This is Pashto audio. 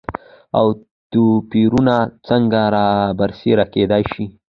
او توپېرونه څنګه رابرسيره کېداي شي؟